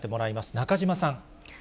中島さん。